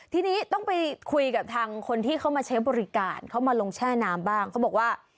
ทีนี้ต้องไปคุยกับทางคนที่เขามาใช้บริการเขามาลงแช่น้ำบ้างเขาบอกว่า